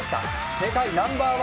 世界ナンバー１